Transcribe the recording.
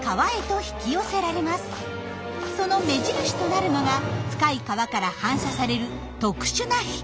その目印となるのが深い川から反射される特殊な光。